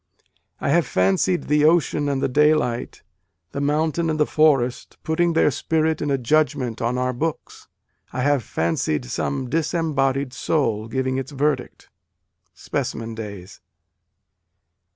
I have fancied the ocean and the daylight, the mountain A DAY WITH WALT WHITMAN. and the forest, putting their spirit in a judgment on our books. I have fancied some disem bodied soul giving its verdict." (Specimen Days.)